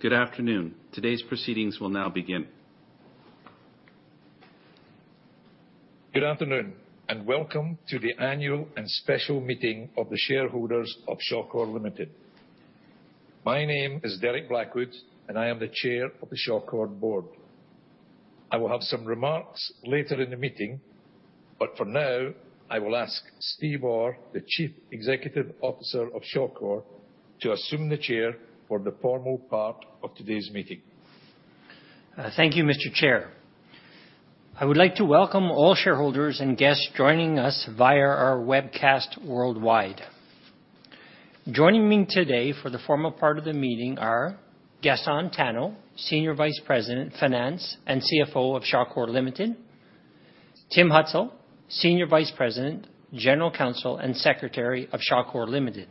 Good afternoon. Today's proceedings will now begin. Good afternoon, and welcome to the annual and special meeting of the shareholders of Shawcor Limited. My name is Derek Blackwood, and I am the chair of the Shawcor board. I will have some remarks later in the meeting, but for now, I will ask Steve Orr, the Chief Executive Officer of Shawcor, to assume the chair for the formal part of today's meeting. Thank you, Mr. Chair. I would like to welcome all shareholders and guests joining us via our webcast worldwide. Joining me today for the formal part of the meeting are Gaston Tano, Senior Vice President, Finance and CFO of Shawcor Ltd.; Tim Hutzul, Senior Vice President, General Counsel, and Secretary of Shawcor Ltd.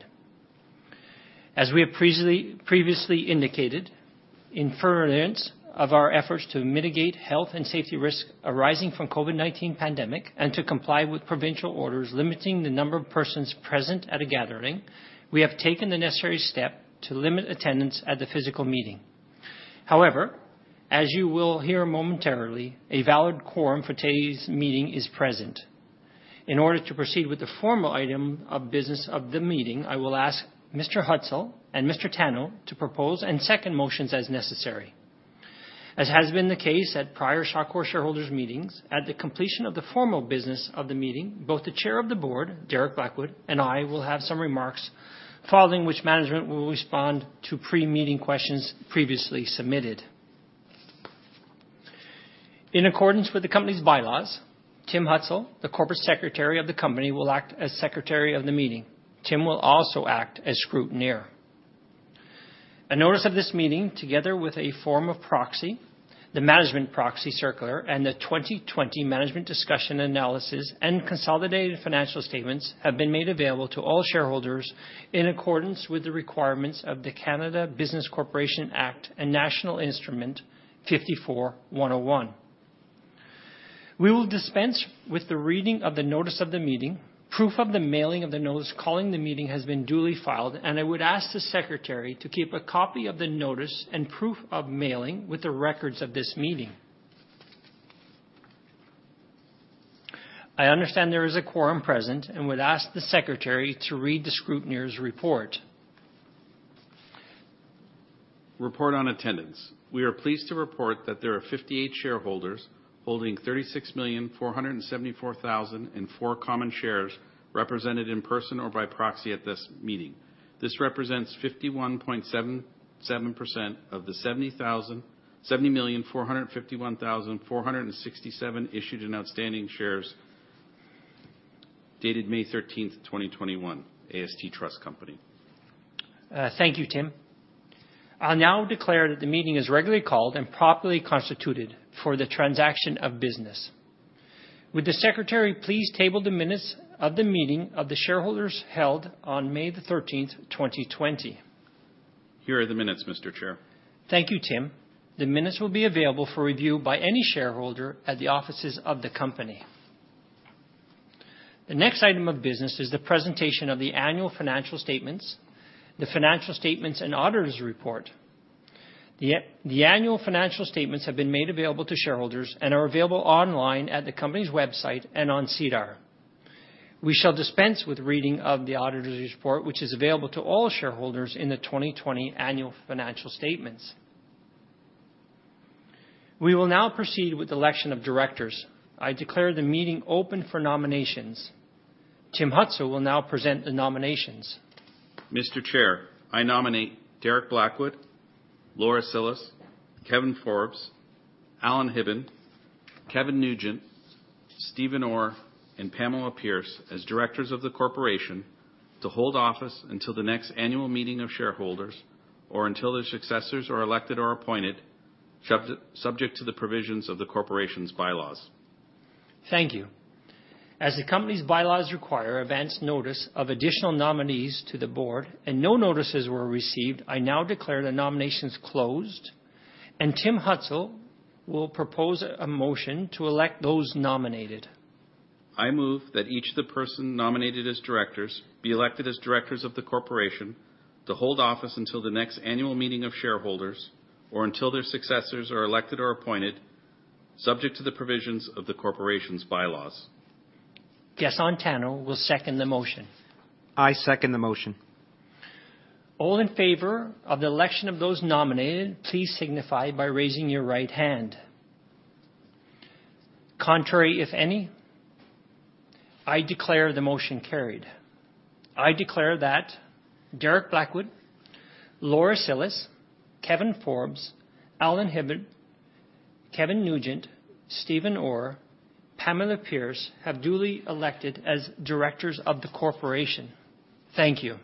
As we have previously indicated, in furtherance of our efforts to mitigate health and safety risks arising from the COVID-19 pandemic and to comply with provincial orders limiting the number of persons present at a gathering, we have taken the necessary step to limit attendance at the physical meeting. However, as you will hear momentarily, a valid quorum for today's meeting is present. In order to proceed with the formal item of business of the meeting, I will ask Mr. Hutzul and Mr. Tano to propose and second motions as necessary. As has been the case at prior Shawcor shareholders' meetings, at the completion of the formal business of the meeting, both the chair of the board, Derek Blackwood, and I will have some remarks, following which management will respond to pre-meeting questions previously submitted. In accordance with the company's bylaws, Tim Hutzul, the corporate secretary of the company, will act as secretary of the meeting. Tim will also act as scrutineer. A notice of this meeting, together with a form of proxy, the management proxy circular, and the 2020 management discussion analysis and consolidated financial statements have been made available to all shareholders in accordance with the requirements of the Canada Business Corporations Act and National Instrument 54-101. We will dispense with the reading of the notice of the meeting. Proof of the mailing of the notice calling the meeting has been duly filed, and I would ask the secretary to keep a copy of the notice and proof of mailing with the records of this meeting. I understand there is a quorum present and would ask the secretary to read the scrutineer's report. Report on attendance. We are pleased to report that there are 58 shareholders holding 36,474,004 common shares represented in person or by proxy at this meeting. This represents 51.77% of the 70,451,467 issued and outstanding shares dated May 13, 2021, AST Trust Company. Thank you, Tim. I'll now declare that the meeting is regularly called and properly constituted for the transaction of business. Would the secretary please table the minutes of the meeting of the shareholders held on May 13, 2020? Here are the minutes, Mr. Chair. Thank you, Tim. The minutes will be available for review by any shareholder at the offices of the company. The next item of business is the presentation of the annual financial statements, the financial statements and auditor's report. The annual financial statements have been made available to shareholders and are available online at the company's website and on SEDAR. We shall dispense with reading of the auditor's report, which is available to all shareholders in the 2020 annual financial statements. We will now proceed with the election of directors. I declare the meeting open for nominations. Tim Hutzul will now present the nominations. Mr. Chair, I nominate Derek Blackwood, Laura Cillis, Kevin Forbes, Alan Hibben, Kevin Nugent, Stephen Orr, and Pamela Pierce as directors of the corporation to hold office until the next annual meeting of shareholders or until their successors are elected or appointed, subject to the provisions of the corporation's bylaws. Thank you. As the company's bylaws require advance notice of additional nominees to the board and no notices were received, I now declare the nominations closed, and Tim Hutzul will propose a motion to elect those nominated. I move that each of the persons nominated as directors be elected as directors of the corporation to hold office until the next annual meeting of shareholders or until their successors are elected or appointed, subject to the provisions of the corporation's bylaws. Gaston Tano will second the motion. I second the motion. All in favor of the election of those nominated, please signify by raising your right hand. Contrary, if any? I declare the motion carried. I declare that Derek Blackwood, Laura Cillis, Kevin Forbes, Alan Hibben, Kevin Nugent, Stephen Orr, and Pamela Pierce have duly elected as directors of the corporation. Thank you.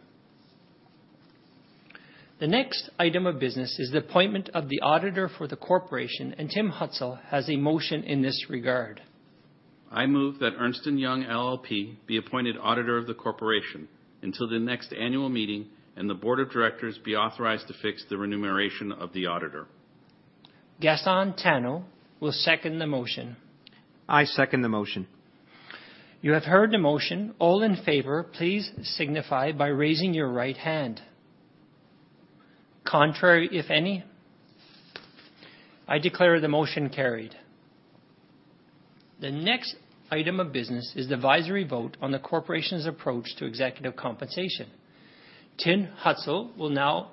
The next item of business is the appointment of the auditor for the corporation, and Tim Hutzul has a motion in this regard. I move that Ernst & Young LLP be appointed auditor of the corporation until the next annual meeting, and the board of directors be authorized to fix the remuneration of the auditor. Gaston Tano will second the motion. I second the motion. You have heard the motion. All in favor, please signify by raising your right hand. Contrary, if any? I declare the motion carried. The next item of business is the advisory vote on the corporation's approach to executive compensation. Tim Hutzul will now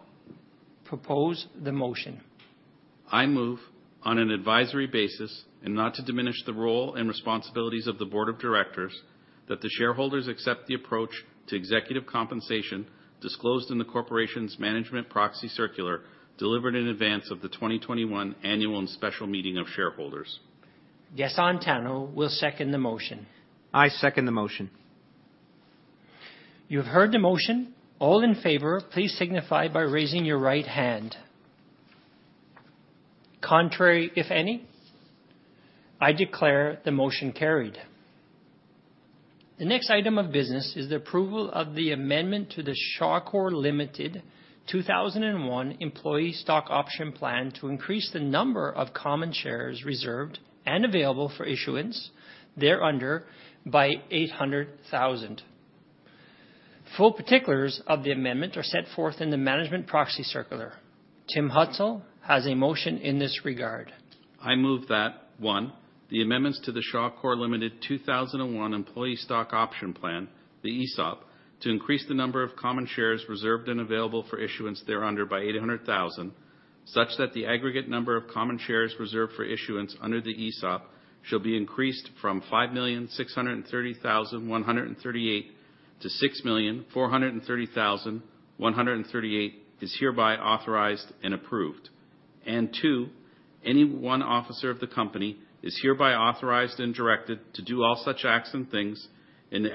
propose the motion. I move on an advisory basis, and not to diminish the role and responsibilities of the board of directors, that the shareholders accept the approach to executive compensation disclosed in the corporation's management proxy circular delivered in advance of the 2021 annual and special meeting of shareholders. Gaston Tano will second the motion. I second the motion. You have heard the motion. All in favor, please signify by raising your right hand. Contrary, if any? I declare the motion carried. The next item of business is the approval of the amendment to the Shawcor Ltd. 2001 employee stock option plan to increase the number of common shares reserved and available for issuance thereunder by 800,000. Full particulars of the amendment are set forth in the management proxy circular. Tim Hutzul has a motion in this regard. I move that, one, the amendments to the Shawcor Ltd. 2001 employee stock option plan, the ESOP, to increase the number of common shares reserved and available for issuance thereunder by 800,000, such that the aggregate number of common shares reserved for issuance under the ESOP shall be increased from 5,630,138-6,430,138 is hereby authorized and approved. And two, any one officer of the company is hereby authorized and directed to do all such acts and things and to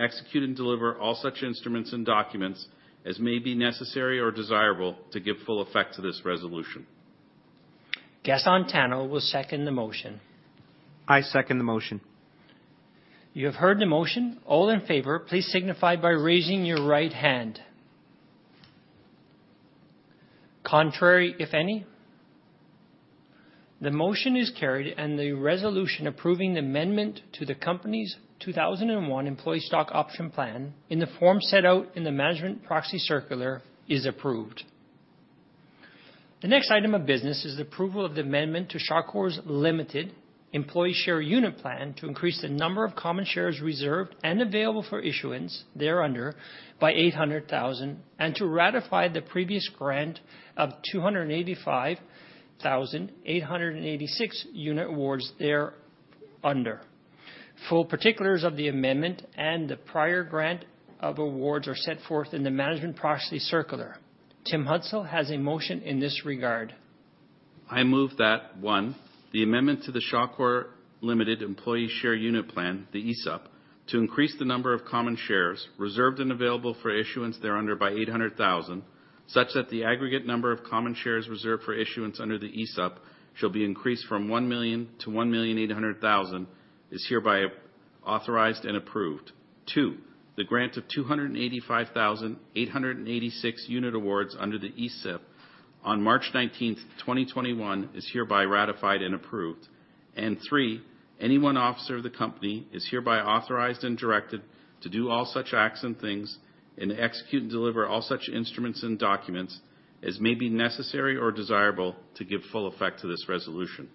execute and deliver all such instruments and documents as may be necessary or desirable to give full effect to this resolution.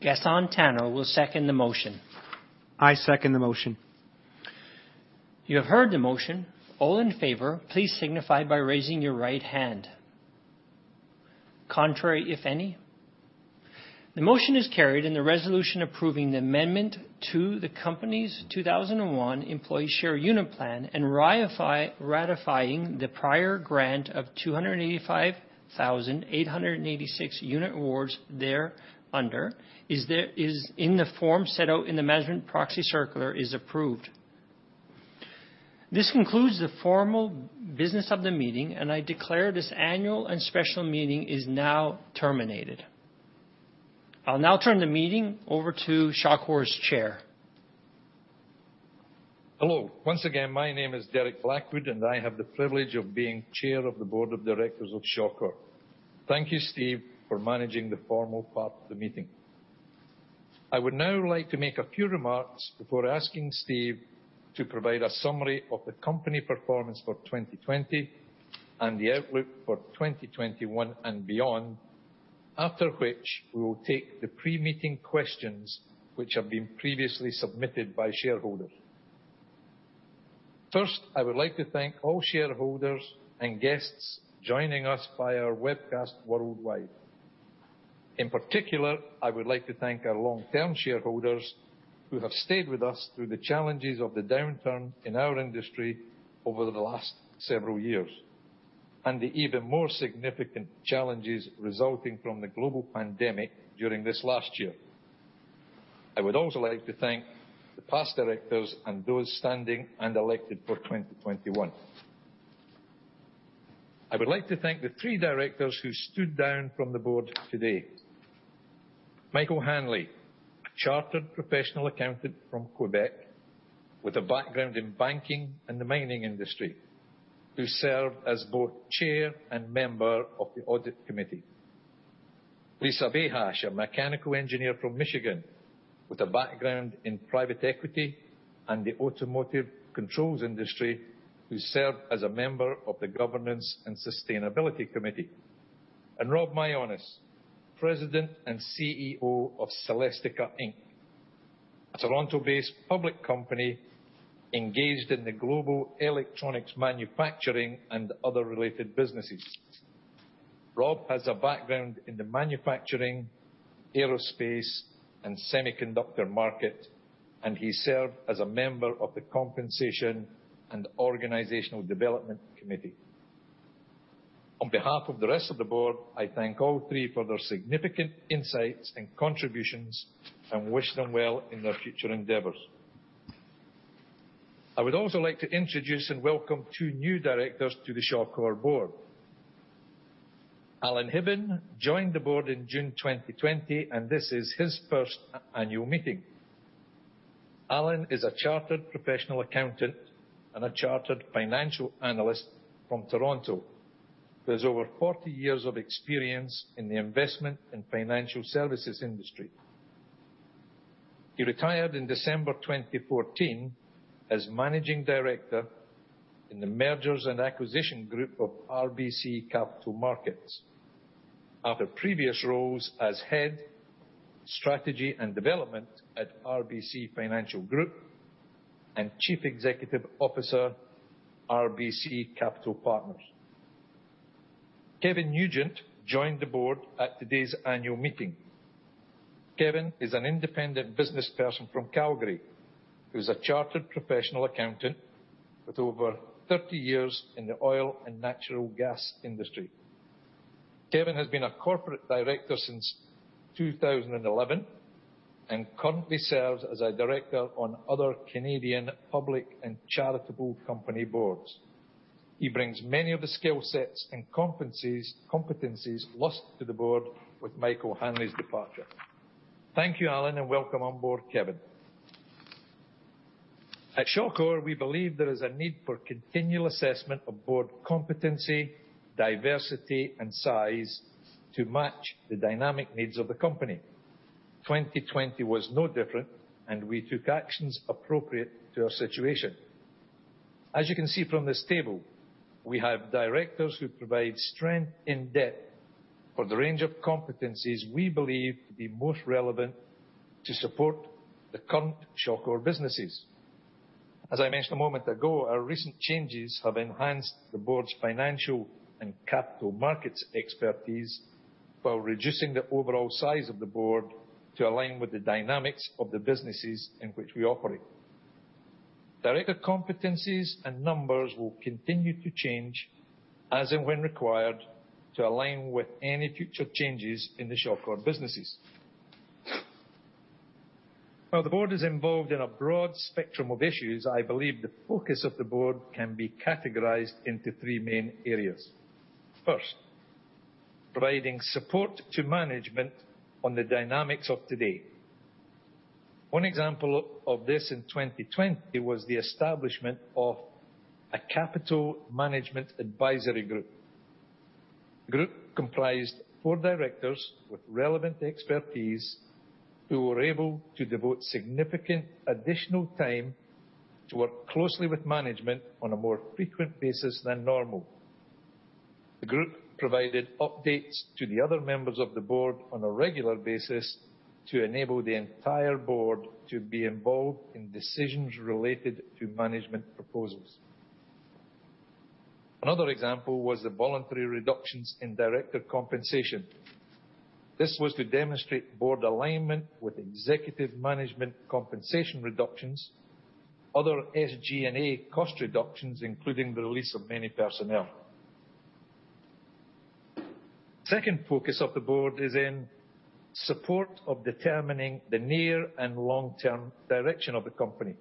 Gaston Tano will second the motion. I second the motion. You have heard the motion. All in favor, please signify by raising your right hand. Contrary, if any? I'll now turn the meeting over to Shawcor's chair. Hello. Once again, my name is Derek Blackwood, and I have the privilege of being chair of the board of directors of Shawcor. Thank you, Steve, for managing the formal part of the meeting. I would now like to make a few remarks before asking Steve to provide a summary of the company performance for 2020 and the outlook for 2021 and beyond, after which we will take the pre-meeting questions which have been previously submitted by shareholders. First, I would like to thank all shareholders and guests joining us via webcast worldwide. In particular, I would like to thank our long-term shareholders who have stayed with us through the challenges of the downturn in our industry over the last several years and the even more significant challenges resulting from the global pandemic during this last year. I would also like to thank the past directors and those standing and elected for 2021. I would like to thank the three directors who stood down from the board today: Michael Hanley, a chartered professional accountant from Quebec with a background in banking and the mining industry, who served as both chair and member of the audit committee. Lisa Bahash, a mechanical engineer from Michigan with a background in private equity and the automotive controls industry, who served as a member of the governance and sustainability committee. And Rob Mionis, President and CEO of Celestica Inc., a Toronto-based public company engaged in the global electronics manufacturing and other related businesses. Rob has a background in the manufacturing, aerospace, and semiconductor market, and he served as a member of the Compensation and Organizational Development Committee. On behalf of the rest of the board, I thank all three for their significant insights and contributions and wish them well in their future endeavors. I would also like to introduce and welcome two new directors to the Shawcor board. Alan Hibben joined the board in June 2020, and this is his first annual meeting. Alan is a chartered professional accountant and a chartered financial analyst from Toronto with over 40 years of experience in the investment and financial services industry. He retired in December 2014 as managing director in the Mergers and Acquisitions Group of RBC Capital Markets after previous roles as head strategy and development at RBC Financial Group and chief executive officer at RBC Capital Partners. Kevin Nugent joined the board at today's annual meeting. Kevin is an independent businessperson from Calgary who is a chartered professional accountant with over 30 years in the oil and natural gas industry. Kevin has been a corporate director since 2011 and currently serves as a director on other Canadian public and charitable company boards. He brings many of the skill sets and competencies lost to the board with Michael Hanley's departure. Thank you, Alan, and welcome on board, Kevin. At Shawcor, we believe there is a need for continual assessment of board competency, diversity, and size to match the dynamic needs of the company. 2020 was no different, and we took actions appropriate to our situation. As you can see from this table, we have directors who provide strength in depth for the range of competencies we believe to be most relevant to support the current Shawcor businesses. As I mentioned a moment ago, our recent changes have enhanced the board's financial and capital markets expertise while reducing the overall size of the board to align with the dynamics of the businesses in which we operate. Director competencies and numbers will continue to change as and when required to align with any future changes in the Shawcor businesses. While the board is involved in a broad spectrum of issues, I believe the focus of the board can be categorized into three main areas. First, providing support to management on the dynamics of today. One example of this in 2020 was the establishment of a capital management advisory group. The group comprised four directors with relevant expertise who were able to devote significant additional time to work closely with management on a more frequent basis than normal. The group provided updates to the other members of the board on a regular basis to enable the entire board to be involved in decisions related to management proposals. Another example was the voluntary reductions in director compensation. This was to demonstrate board alignment with executive management compensation reductions, other SG&A cost reductions, including the release of many personnel. The second focus of the board is in support of determining the near and long-term direction of the company.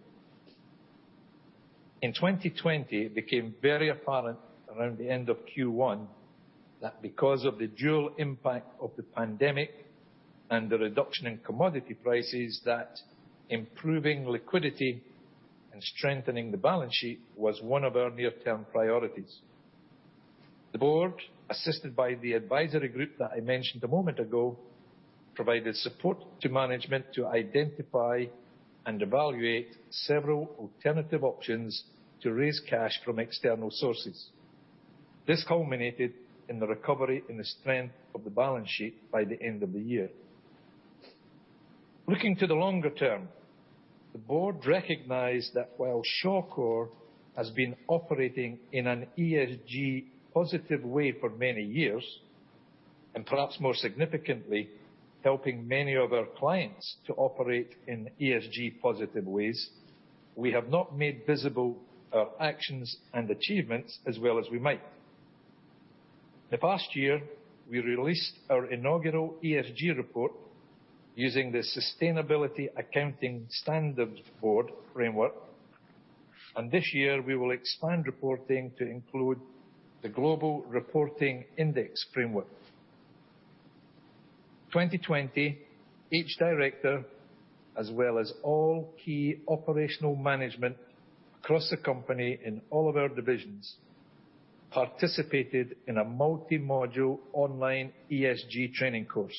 In 2020, it became very apparent around the end of Q1 that because of the dual impact of the pandemic and the reduction in commodity prices, that improving liquidity and strengthening the balance sheet was one of our near-term priorities. The board, assisted by the advisory group that I mentioned a moment ago, provided support to management to identify and evaluate several alternative options to raise cash from external sources. This culminated in the recovery and the strength of the balance sheet by the end of the year. Looking to the longer term, the board recognized that while Shawcor has been operating in an ESG-positive way for many years and perhaps more significantly helping many of our clients to operate in ESG-positive ways, we have not made visible our actions and achievements as well as we might. In the past year, we released our inaugural ESG report using the Sustainability Accounting Standards Board framework, and this year we will expand reporting to include the Global Reporting Index framework. In 2020, each director, as well as all key operational management across the company in all of our divisions, participated in a multi-module online ESG training course.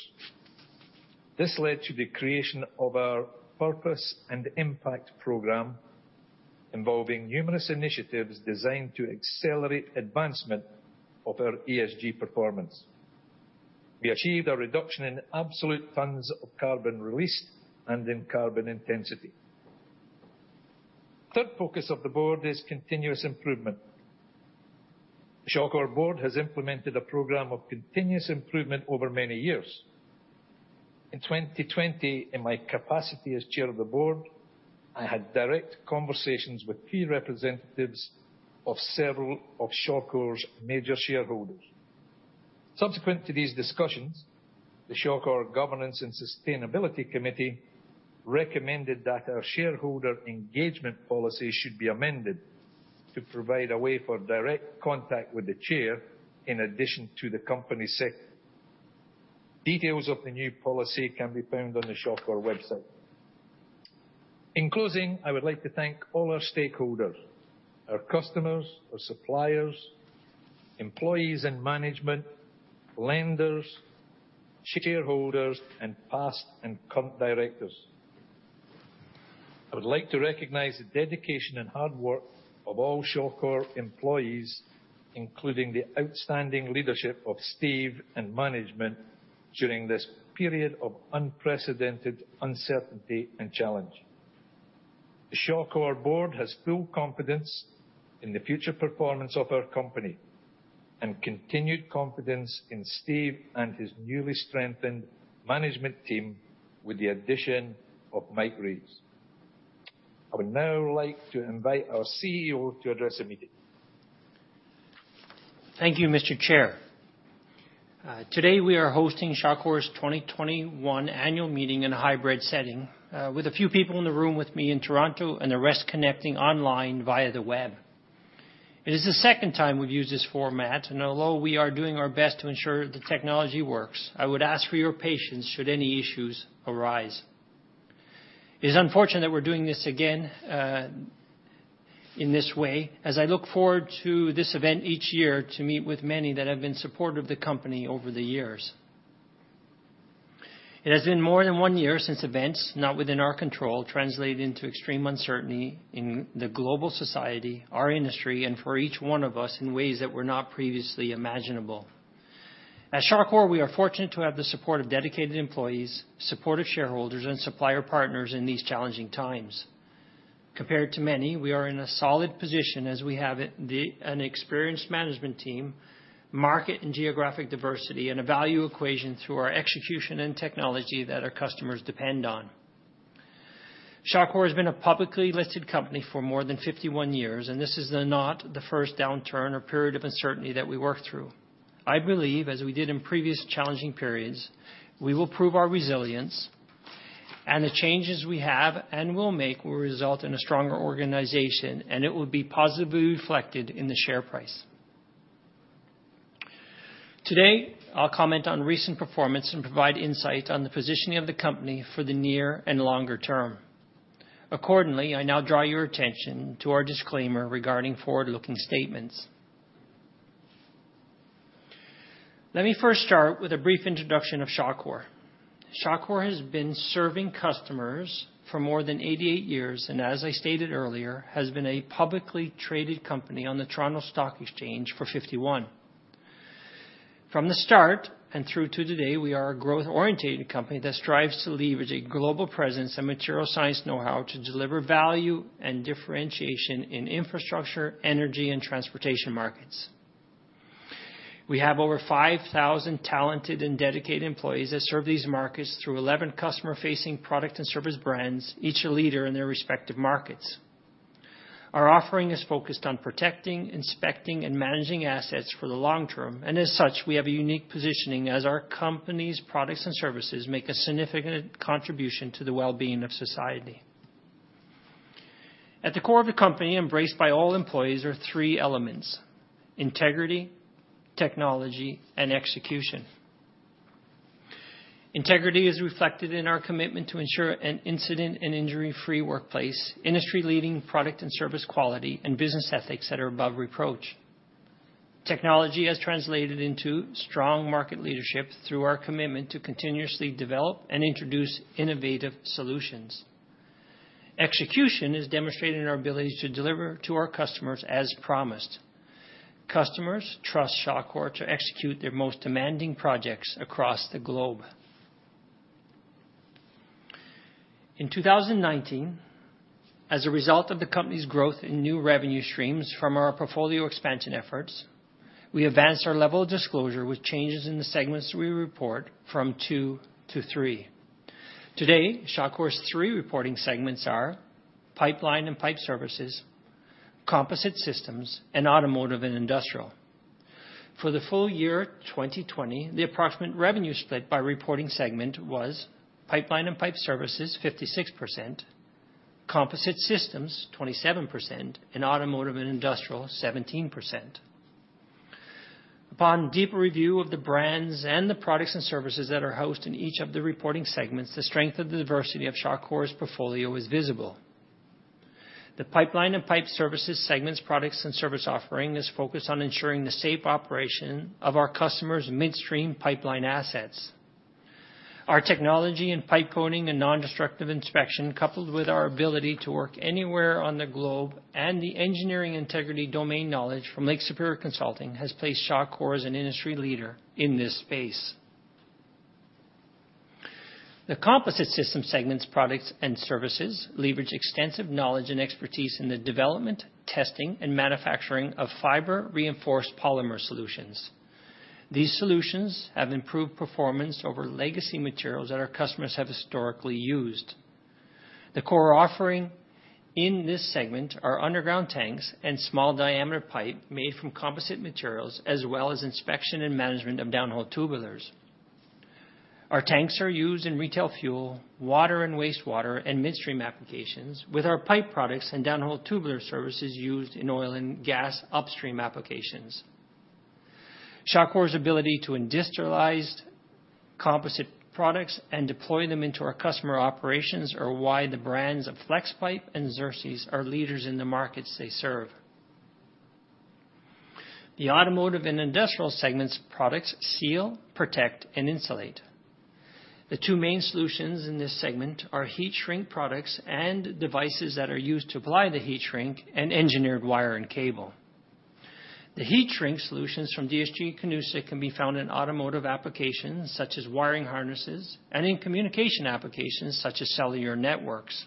This led to the creation of our Purpose and Impact program involving numerous initiatives designed to accelerate advancement of our ESG performance. We achieved a reduction in absolute tons of carbon released and in carbon intensity. The third focus of the board is continuous improvement. The Shawcor board has implemented a program of continuous improvement over many years. In 2020, in my capacity as chair of the board, I had direct conversations with key representatives of several of Shawcor's major shareholders. Subsequent to these discussions, the Shawcor Governance and Sustainability Committee recommended that our shareholder engagement policy should be amended to provide a way for direct contact with the chair in addition to the company secretary. Details of the new policy can be found on the Shawcor website. In closing, I would like to thank all our stakeholders, our customers, our suppliers, employees and management, lenders, shareholders, and past and current directors. I would like to recognize the dedication and hard work of all Shawcor employees, including the outstanding leadership of Steve and management during this period of unprecedented uncertainty and challenge. The Shawcor board has full confidence in the future performance of our company and continued confidence in Steve and his newly strengthened management team with the addition of Mike Reeves. I would now like to invite our CEO to address the meeting. Thank you, Mr. Chair. Today we are hosting Shawcor's 2021 annual meeting in a hybrid setting with a few people in the room with me in Toronto and the rest connecting online via the web. It is the second time we've used this format, and although we are doing our best to ensure the technology works, I would ask for your patience should any issues arise. It is unfortunate that we're doing this again in this way, as I look forward to this event each year to meet with many that have been supportive of the company over the years. It has been more than one year since events not within our control translated into extreme uncertainty in the global society, our industry, and for each one of us in ways that were not previously imaginable. At Shawcor, we are fortunate to have the support of dedicated employees, supportive shareholders, and supplier partners in these challenging times. Compared to many, we are in a solid position as we have an experienced management team, market and geographic diversity, and a value equation through our execution and technology that our customers depend on. Shawcor has been a publicly listed company for more than 51 years, and this is not the first downturn or period of uncertainty that we work through. I believe, as we did in previous challenging periods, we will prove our resilience, and the changes we have and will make will result in a stronger organization, and it will be positively reflected in the share price. Today, I'll comment on recent performance and provide insight on the positioning of the company for the near and longer term. Accordingly, I now draw your attention to our disclaimer regarding forward-looking statements. Let me first start with a brief introduction of Shawcor. Shawcor has been serving customers for more than 88 years and, as I stated earlier, has been a publicly traded company on the Toronto Stock Exchange for 51. From the start and through to today, we are a growth-oriented company that strives to leverage a global presence and materials science know-how to deliver value and differentiation in infrastructure, energy, and transportation markets. We have over 5,000 talented and dedicated employees that serve these markets through 11 customer-facing product and service brands, each a leader in their respective markets. Our offering is focused on protecting, inspecting, and managing assets for the long term, and as such, we have a unique positioning as our company's products and services make a significant contribution to the well-being of society. At the core of the company, embraced by all employees, are three elements: integrity, technology, and execution. Integrity is reflected in our commitment to ensure an incident and injury-free workplace, industry-leading product and service quality, and business ethics that are above reproach. Technology has translated into strong market leadership through our commitment to continuously develop and introduce innovative solutions. Execution is demonstrated in our ability to deliver to our customers as promised. Customers trust Shawcor to execute their most demanding projects across the globe. In 2019, as a result of the company's growth in new revenue streams from our portfolio expansion efforts, we advanced our level of disclosure with changes in the segments we report from 2-to three. Today, Shawcor's three reporting segments are pipeline and pipe services, composite systems, and automotive and industrial. For the full year 2020, the approximate revenue split by reporting segment was pipeline and pipe services 56%, composite systems 27%, and automotive and industrial 17%. Upon deep review of the brands and the products and services that are hosted in each of the reporting segments, the strength of the diversity of Shawcor's portfolio is visible. The pipeline and pipe services segment's products and service offering is focused on ensuring the safe operation of our customers' midstream pipeline assets. Our technology in pipe coating and non-destructive inspection, coupled with our ability to work anywhere on the globe and the engineering integrity domain knowledge from Lake Superior Consulting, has placed Shawcor as an industry leader in this space. The composite systems segment's products and services leverage extensive knowledge and expertise in the development, testing, and manufacturing of fiber-reinforced polymer solutions. These solutions have improved performance over legacy materials that our customers have historically used. The core offering in this segment is underground tanks and small-diameter pipe made from composite materials, as well as inspection and management of downhole tubulars. Our tanks are used in retail fuel, water and wastewater, and midstream applications, with our pipe products and downhole tubular services used in oil and gas upstream applications. Shawcor's ability to industrialize composite products and deploy them into our customer operations are why the brands of Flexpipe and Xerxes are leaders in the markets they serve. The automotive and industrial segment's products seal, protect, and insulate. The two main solutions in this segment are heat-shrink products and devices that are used to apply the heat-shrink and engineered wire and cable. The heat-shrink solutions from DSG-Canusa can be found in automotive applications such as wiring harnesses and in communication applications such as cellular networks.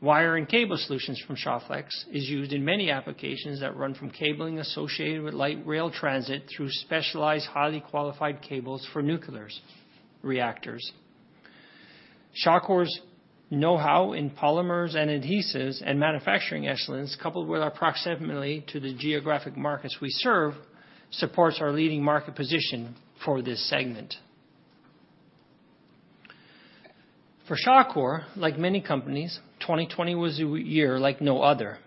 Wire and cable solutions from ShawFlex are used in many applications that run from cabling associated with light rail transit through specialized highly qualified cables for nuclear reactors. Shawcor's know-how in polymers and adhesives and manufacturing excellence, coupled with our proximity to the geographic markets we serve, supports our leading market position for this segment. For Shawcor, like many companies, 2020 was a year like no other.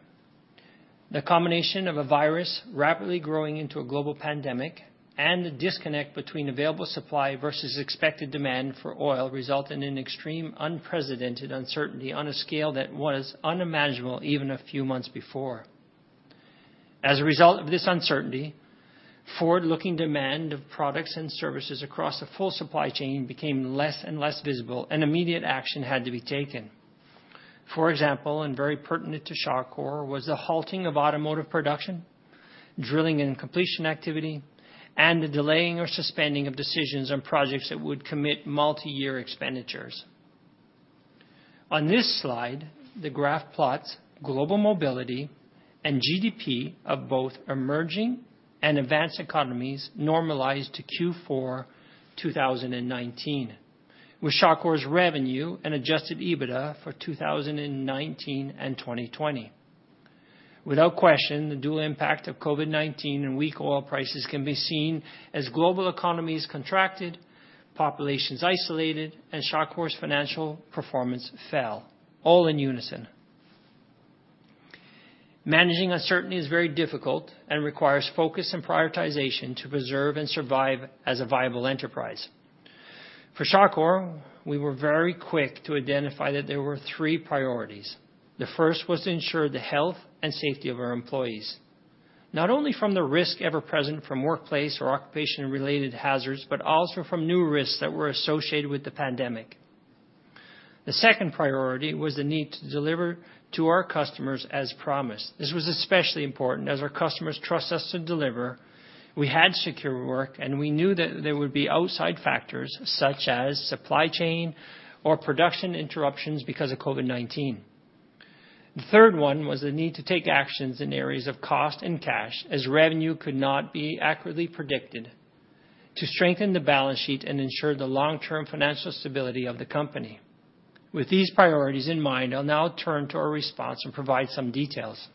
The combination of a virus rapidly growing into a global pandemic and the disconnect between available supply versus expected demand for oil resulted in extreme unprecedented uncertainty on a scale that was unimaginable even a few months before. As a result of this uncertainty, forward-looking demand of products and services across the full supply chain became less and less visible, and immediate action had to be taken. For example, and very pertinent to Shawcor, was the halting of automotive production, drilling and completion activity, and the delaying or suspending of decisions on projects that would commit multi-year expenditures. On this slide, the graph plots global mobility and GDP of both emerging and advanced economies normalized to Q4 2019, with Shawcor's revenue and adjusted EBITDA for 2019 and 2020. Without question, the dual impact of COVID-19 and weak oil prices can be seen as global economies contracted, populations isolated, and Shawcor's financial performance fell, all in unison. Managing uncertainty is very difficult and requires focus and prioritization to preserve and survive as a viable enterprise. For Shawcor, we were very quick to identify that there were three priorities. The first was to ensure the health and safety of our employees, not only from the risk ever present from workplace or occupation-related hazards, but also from new risks that were associated with the pandemic. The second priority was the need to deliver to our customers as promised. This was especially important as our customers trust us to deliver. We had secure work, and we knew that there would be outside factors such as supply chain or production interruptions because of COVID-19. The third one was the need to take actions in areas of cost and cash, as revenue could not be accurately predicted, to strengthen the balance sheet and ensure the long-term financial stability of the company. With these priorities in mind, I'll now turn to our response and provide some details.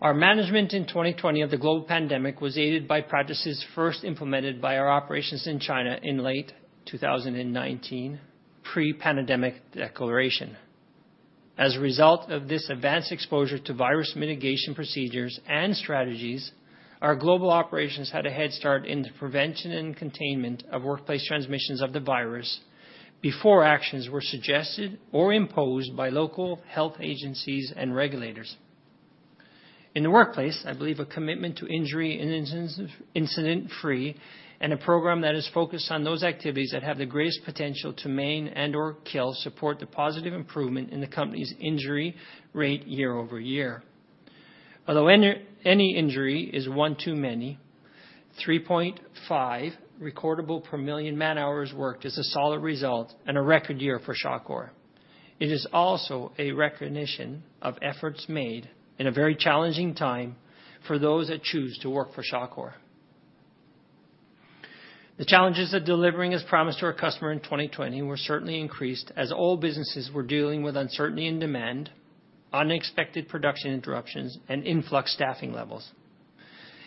Our management in 2020 of the global pandemic was aided by practices first implemented by our operations in China in late 2019, pre-pandemic declaration. As a result of this advanced exposure to virus mitigation procedures and strategies, our global operations had a head start in the prevention and containment of workplace transmissions of the virus before actions were suggested or imposed by local health agencies and regulators. In the workplace, I believe a commitment to injury and incident-free and a program that is focused on those activities that have the greatest potential to maim and/or kill support the positive improvement in the company's injury rate year-over-year. Although any injury is one too many, 3.5 recordable per million man-hours worked is a solid result and a record year for Shawcor. It is also a recognition of efforts made in a very challenging time for those that choose to work for Shawcor. The challenges of delivering as promised to our customers in 2020 were certainly increased as all businesses were dealing with uncertainty in demand, unexpected production interruptions, and influx staffing levels.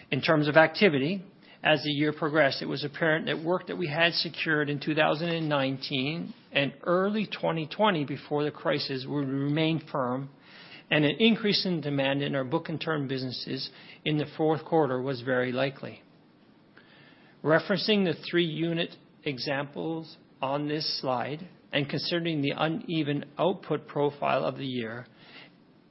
In terms of activity, as the year progressed, it was apparent that work that we had secured in 2019 and early 2020 before the crisis would remain firm, and an increase in demand in our book and term businesses in the fourth quarter was very likely. Referencing the three-unit examples on this slide and considering the uneven output profile of the year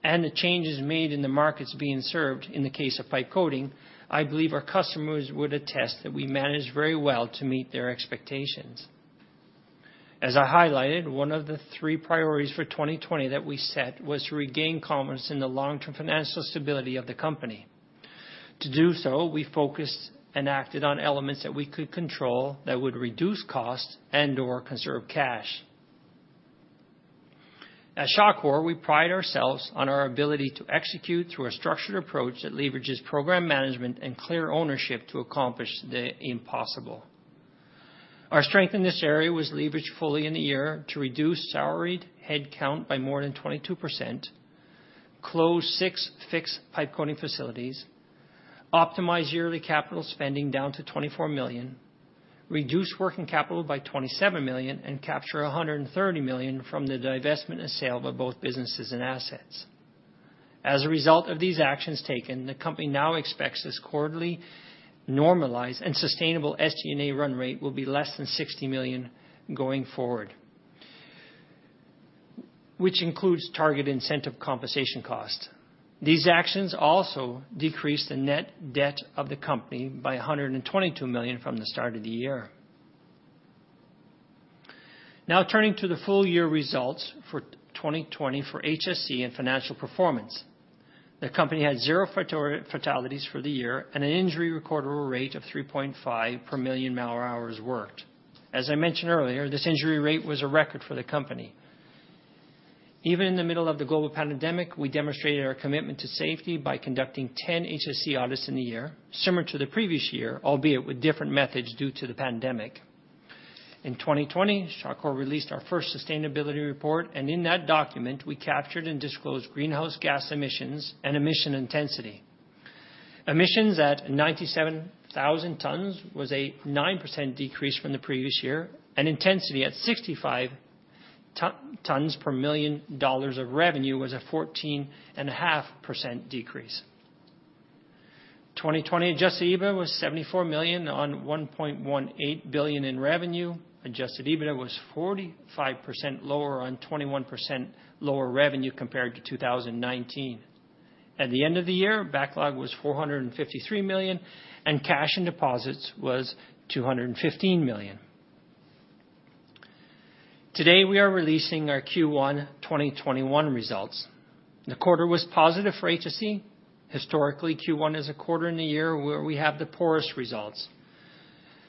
and the changes made in the markets being served in the case of pipe coating, I believe our customers would attest that we managed very well to meet their expectations. As I highlighted, one of the three priorities for 2020 that we set was to regain confidence in the long-term financial stability of the company. To do so, we focused and acted on elements that we could control that would reduce cost and/or conserve cash. At Shawcor, we pride ourselves on our ability to execute through a structured approach that leverages program management and clear ownership to accomplish the impossible. Our strength in this area was leveraged fully in the year to reduce salaried headcount by more than 22%, close 6 fixed pipe coating facilities, optimize yearly capital spending down to 24 million, reduce working capital by 27 million, and capture 130 million from the divestment and sale of both businesses and assets. As a result of these actions taken, the company now expects this quarterly normalized and sustainable SG&A run rate will be less than 60 million going forward, which includes target incentive compensation costs. These actions also decreased the net debt of the company by 122 million from the start of the year. Now turning to the full-year results for 2020 for HSE and financial performance. The company had zero fatalities for the year and an injury recordable rate of 3.5 per million man-hours worked. As I mentioned earlier, this injury rate was a record for the company. Even in the middle of the global pandemic, we demonstrated our commitment to safety by conducting 10 HSE audits in the year, similar to the previous year, albeit with different methods due to the pandemic. In 2020, Shawcor released our first sustainability report, and in that document, we captured and disclosed greenhouse gas emissions and emission intensity. Emissions at 97,000 tons was a 9% decrease from the previous year, and intensity at 65 tons per million dollars of revenue was a 14.5% decrease. 2020 adjusted EBITDA was 74 million on 1.18 billion in revenue. Adjusted EBITDA was 45% lower on 21% lower revenue compared to 2019. At the end of the year, backlog was 453 million, and cash and deposits was 215 million. Today, we are releasing our Q1 2021 results. The quarter was positive for HSE. Historically, Q1 is a quarter in the year where we have the poorest results.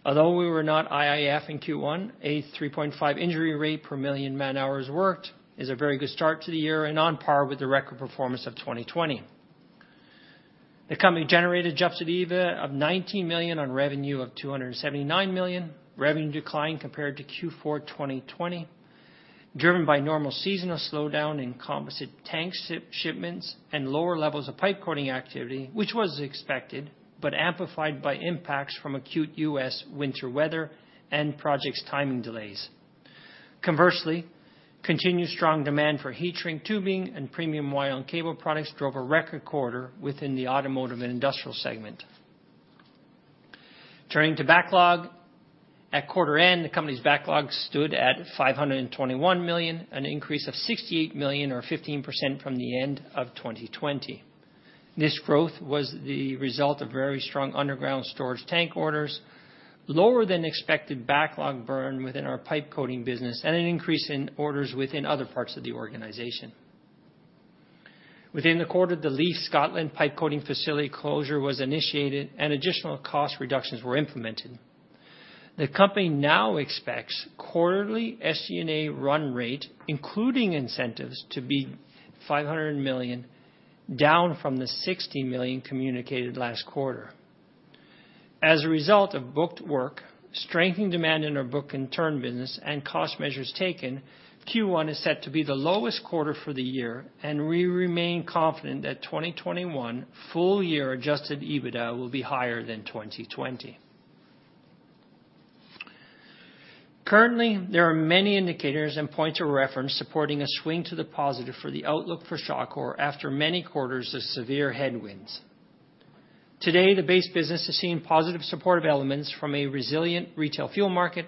Although we were not IIF in Q1, a 3.5 injury rate per million man-hours worked is a very good start to the year and on par with the record performance of 2020. The company generated Adjusted EBITDA of 19 million on revenue of 279 million. Revenue declined compared to Q4 2020, driven by normal seasonal slowdown in composite tank shipments and lower levels of pipe coating activity, which was expected but amplified by impacts from acute U.S. winter weather and projects' timing delays. Conversely, continued strong demand for heat-shrink tubing and premium wire and cable products drove a record quarter within the automotive and industrial segment. Turning to backlog, at quarter end, the company's backlog stood at 521 million, an increase of 68 million or 15% from the end of 2020. This growth was the result of very strong underground storage tank orders, lower than expected backlog burn within our pipe coating business, and an increase in orders within other parts of the organization. Within the quarter, the Leith, Scotland pipe coating facility closure was initiated, and additional cost reductions were implemented. The company now expects quarterly SG&A run rate, including incentives, to be 500 million, down from the 60 million communicated last quarter. As a result of booked work, strengthening demand in our book and turn business, and cost measures taken, Q1 is set to be the lowest quarter for the year, and we remain confident that 2021 full-year Adjusted EBITDA will be higher than 2020. Currently, there are many indicators and points of reference supporting a swing to the positive for the outlook for Shawcor after many quarters of severe headwinds. Today, the base business has seen positive supportive elements from a resilient retail fuel market,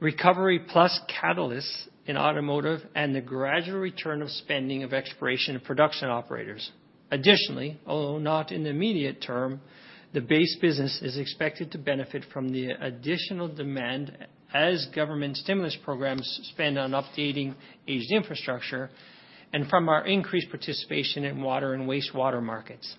recovery plus catalysts in automotive, and the gradual return of spending of exploration production operators. Additionally, although not in the immediate term, the base business is expected to benefit from the additional demand as government stimulus programs spend on updating aged infrastructure and from our increased participation in water and wastewater markets.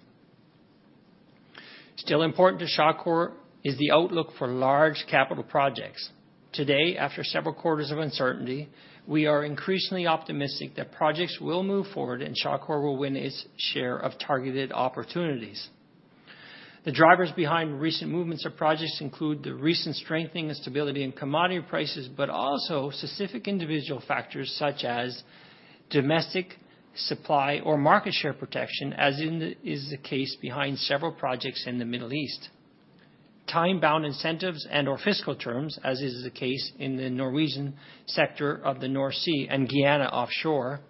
Still important to Shawcor is the outlook for large capital projects. Today, after several quarters of uncertainty, we are increasingly optimistic that projects will move forward and Shawcor will win its share of targeted opportunities. The drivers behind recent movements of projects include the recent strengthening of stability in commodity prices, but also specific individual factors such as domestic supply or market share protection, as is the case behind several projects in the Middle East. Time-bound incentives and/or fiscal terms, as is the case in the Norwegian sector of the North Sea and Guyana offshore.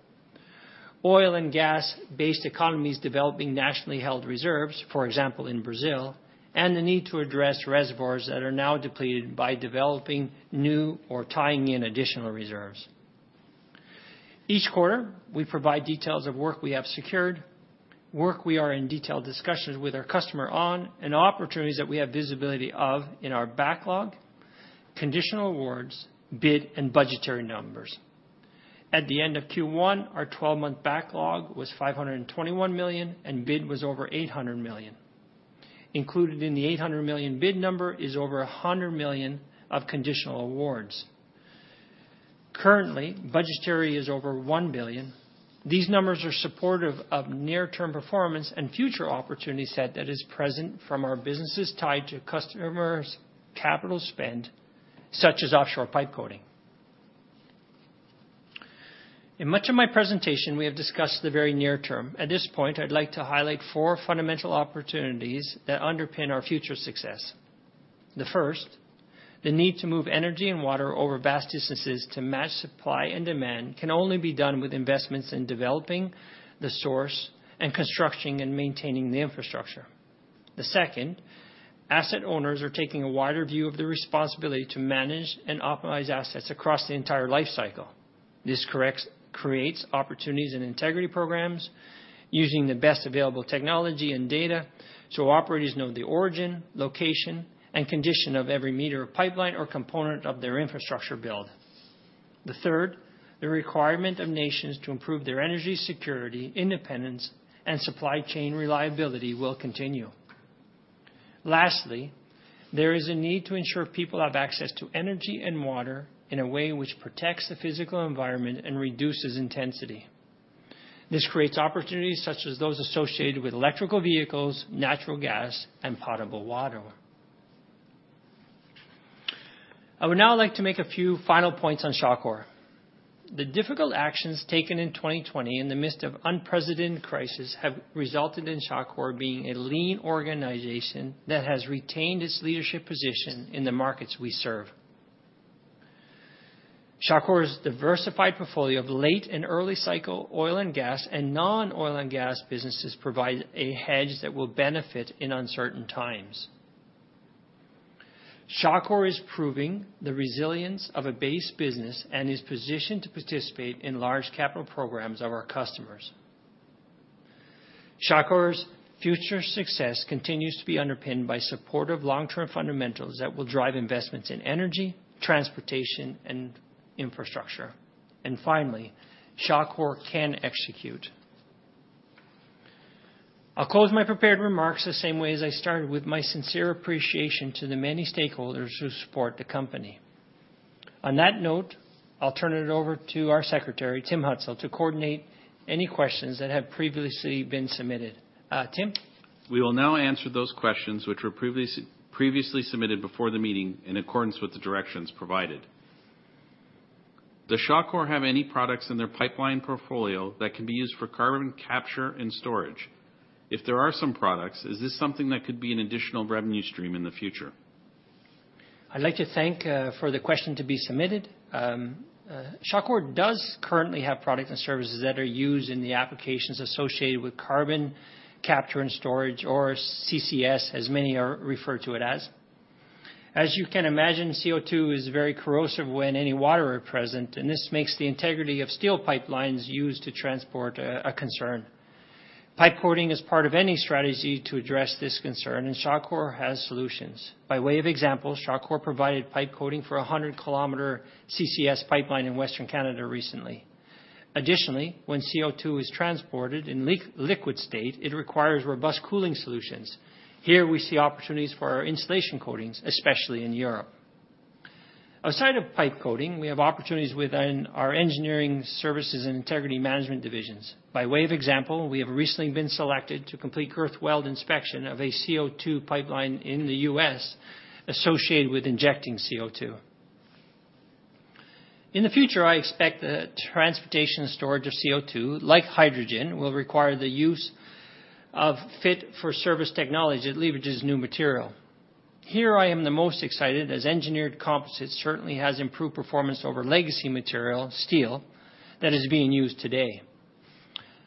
Oil and gas-based economies developing nationally held reserves, for example, in Brazil, and the need to address reservoirs that are now depleted by developing new or tying in additional reserves. Each quarter, we provide details of work we have secured, work we are in detailed discussions with our customer on, and opportunities that we have visibility of in our backlog, conditional awards, bid, and budgetary numbers. At the end of Q1, our 12-month backlog was 521 million, and bid was over 800 million. Included in the 800 million bid number is over 100 million of conditional awards. Currently, budgetary is over 1 billion. These numbers are supportive of near-term performance and future opportunities that are present from our businesses tied to customers' capital spend, such as offshore pipe coating. In much of my presentation, we have discussed the very near term. At this point, I'd like to highlight four fundamental opportunities that underpin our future success. The first, the need to move energy and water over vast distances to match supply and demand can only be done with investments in developing the source and constructing and maintaining the infrastructure. The second, asset owners are taking a wider view of the responsibility to manage and optimize assets across the entire life cycle. This creates opportunities and integrity programs using the best available technology and data so operators know the origin, location, and condition of every meter of pipeline or component of their infrastructure build. The third, the requirement of nations to improve their energy security, independence, and supply chain reliability will continue. Lastly, there is a need to ensure people have access to energy and water in a way which protects the physical environment and reduces intensity. This creates opportunities such as those associated with electric vehicles, natural gas, and potable water. I would now like to make a few final points on Shawcor. The difficult actions taken in 2020 in the midst of unprecedented crisis have resulted in Shawcor being a lean organization that has retained its leadership position in the markets we serve. Shawcor's diversified portfolio of late and early cycle oil and gas and non-oil and gas businesses provides a hedge that will benefit in uncertain times. Shawcor is proving the resilience of a base business and is positioned to participate in large capital programs of our customers. Shawcor's future success continues to be underpinned by supportive long-term fundamentals that will drive investments in energy, transportation, and infrastructure. And finally, Shawcor can execute. I'll close my prepared remarks the same way as I started with my sincere appreciation to the many stakeholders who support the company. On that note, I'll turn it over to our secretary, Tim Hutzul, to coordinate any questions that have previously been submitted. Tim. We will now answer those questions which were previously submitted before the meeting in accordance with the directions provided. Does Shawcor have any products in their pipeline portfolio that can be used for carbon capture and storage? If there are some products, is this something that could be an additional revenue stream in the future? I'd like to thank for the question to be submitted. Shawcor does currently have products and services that are used in the applications associated with carbon capture and storage, or CCS, as many refer to it as. As you can imagine, CO2 is very corrosive when any water is present, and this makes the integrity of steel pipelines used to transport a concern. Pipe coating is part of any strategy to address this concern, and Shawcor has solutions. By way of example, Shawcor provided pipe coating for a 100 km CCS pipeline in Western Canada recently. Additionally, when CO2 is transported in liquid state, it requires robust cooling solutions. Here, we see opportunities for our insulation coatings, especially in Europe. Outside of pipe coating, we have opportunities within our engineering services and integrity management divisions. By way of example, we have recently been selected to complete girth weld inspection of a CO2 pipeline in the U.S. associated with injecting CO2. In the future, I expect that transportation and storage of CO2, like hydrogen, will require the use of fit-for-service technology that leverages new material. Here, I am the most excited as engineered composites certainly have improved performance over legacy material, steel, that is being used today.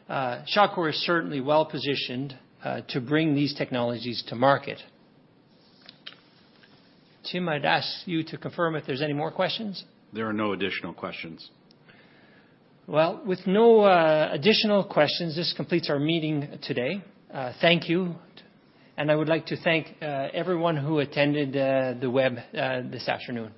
Shawcor is certainly well-positioned to bring these technologies to market. Tim, I'd ask you to confirm if there's any more questions. There are no additional questions. Well, with no additional questions, this completes our meeting today. Thank you. I would like to thank everyone who attended the webcast this afternoon.